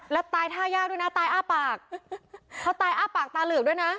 แล้วตายท่ายากด้วยนะตายอ้าปากเขาตายอ้าปากตาเหลือกด้วยนะ